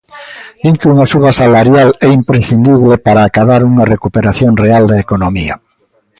Din que unha suba salarial é imprescindible para acadar unha recuperación real da economía.